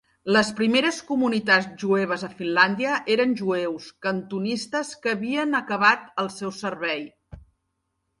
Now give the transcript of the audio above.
Les primeres comunitats jueves a Finlàndia eren jueus cantonistes que havien acabat el seu servei.